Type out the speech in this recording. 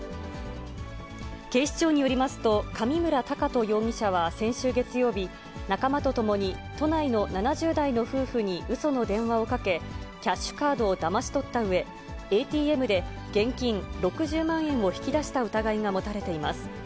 警視庁によりますと、上村隆翔容疑者は先週月曜日、仲間と共に、都内の７０代の夫婦にうその電話をかけ、キャッシュカードをだまし取ったうえ、ＡＴＭで現金６０万円を引き出した疑いが持たれています。